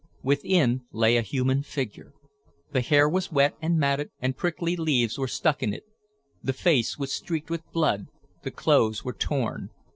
Within lay a human figure. The hair was wet and matted and prickly leaves were stuck in it. The face was streaked with blood, the clothes were torn.